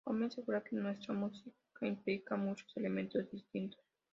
Homme asegura que "nuestra música implica muchos elementos distintos.